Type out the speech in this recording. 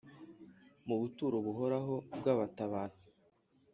mu buturo buhoraho bw’abatabazi